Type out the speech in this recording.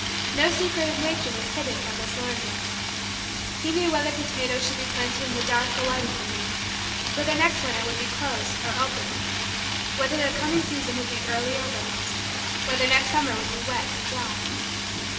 No secret of nature was hidden from this learned one. He knew whether potatoes should be planted in the dark or light of the moon: whether next winter would be "close" or "open": whether the coming season would be "early" or "late": whether next summer would be "wet" or "dry."